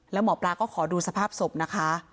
แล้วหมอปลาก็ขอดูสภาพศพนะคะ